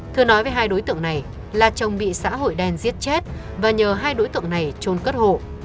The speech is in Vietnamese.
thưa nói với hai đối tượng này là chồng bị xã hội đen giết chết và nhờ hai đối tượng này trôn cất hộ